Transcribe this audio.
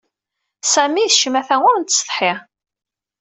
Sami d ccmata ur nettseḍḥi.